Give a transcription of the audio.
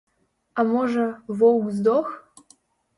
А можа, воўк здох?